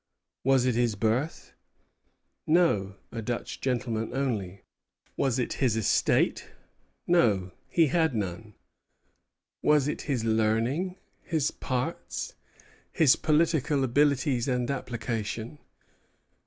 Was it his birth? No; a Dutch gentleman only. Was it his estate? No; he had none. Was it his learning, his parts, his political abilities and application?